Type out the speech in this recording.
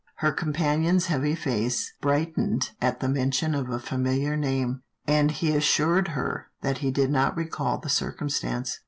" Her companion's heavy face brightened at the mention of a familiar name, and he assured her that he did recall the circumstance.